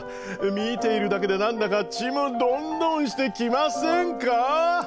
見ているだけで何だかちむどんどんしてきませんか？